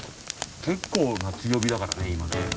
結構な強火だからね今ね。